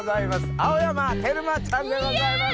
青山テルマちゃんでございます。